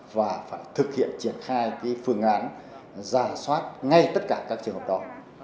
và phải thực hiện triển khai phương án giả soát ngay tất cả các trường hợp đó